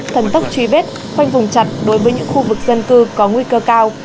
thần tốc truy vết khoanh vùng chặt đối với những khu vực dân cư có nguy cơ cao